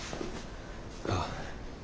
ああ。